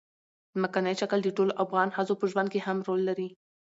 ځمکنی شکل د ټولو افغان ښځو په ژوند کې هم رول لري.